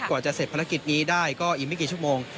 กว่าจะเสร็จภารกิจนี้ได้ก็อีกไม่กี่ชั่วโมง